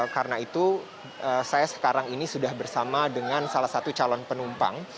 karena itu saya sekarang ini sudah bersama dengan salah satu calon penumpang